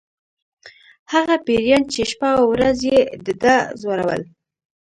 هغه پیریان چې شپه او ورځ یې د ده ځورول